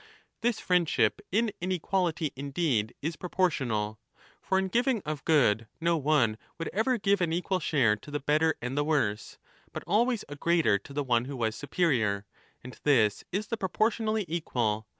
This friendship in inequality, indeed, is proportional. For in giving of good no one would ever give an equal share to the better and the worse, but always a greater to the 15 one who was superior. And this is the proportionally equal.